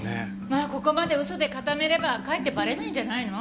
まあここまで嘘で固めればかえってバレないんじゃないの？